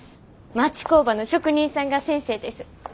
町工場の職人さんが先生です。